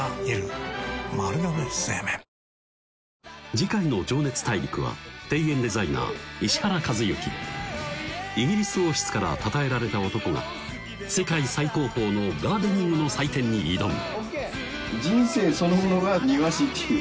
次回の「情熱大陸」はイギリス王室からたたえられた男が世界最高峰のガーデニングの祭典に挑む